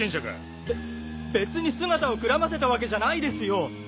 べ別に姿をくらませたわけじゃないですよ。